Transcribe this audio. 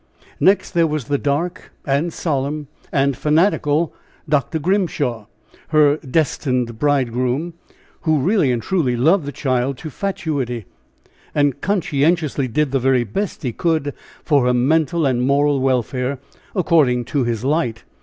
Next, there was the dark, and solemn, and fanatical Dr. Grimshaw, her destined bridegroom, who really and truly loved the child to fatuity, and conscientiously did the very best he could for her mental and moral welfare, according to his light.